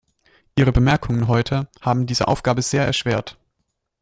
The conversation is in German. Ihre Bemerkungen heute haben diese Aufgabe sehr erschwert.